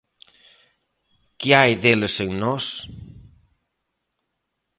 Que hai deles en nós.